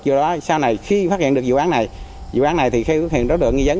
do đó sau này khi phát hiện được vụ án này dự án này thì khi phát hiện đối tượng nghi dấ